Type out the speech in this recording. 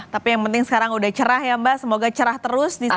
tapi yang penting sekarang udah cerah ya mbak semoga cerah terus di sana